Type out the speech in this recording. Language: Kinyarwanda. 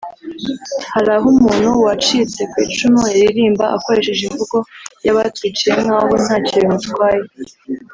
“Hari aho umuntu wacitse ku icumu yaririmba akoresha imvugo y’abatwiciye nkaho ntacyo bimutwaye